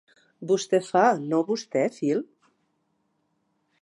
Vostè fa, no vostè, Phil?